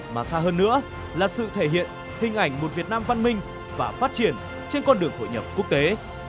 mà xa hơn nữa là sự thể hiện hình ảnh một việt nam văn minh và phát triển trên con đường hội nhập quốc tế